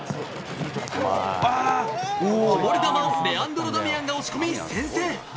こぼれ球をレアンドロが押し込み先制。